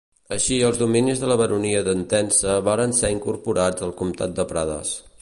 Així els dominis de la Baronia d'Entença varen ser incorporats al Comtat de Prades.